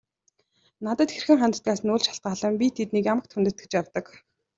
Надад хэрхэн ханддагаас нь үл шалтгаалан би тэднийг ямагт хүндэтгэж явдаг.